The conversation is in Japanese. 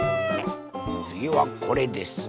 つぎはこれです。